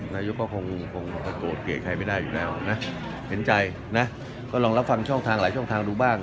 นายกก็คงโกรธเกลียดใครไม่ได้อยู่แล้วนะเห็นใจนะก็ลองรับฟังช่องทางหลายช่องทางดูบ้าง